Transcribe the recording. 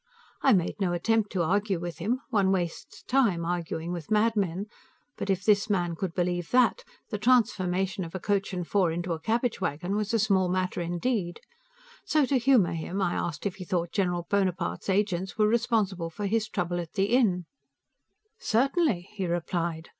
I made no attempt to argue with him one wastes time arguing with madmen but if this man could believe that, the transformation of a coach and four into a cabbage wagon was a small matter indeed. So, to humor him, I asked him if he thought General Bonaparte's agents were responsible for his trouble at the inn. "Certainly," he replied.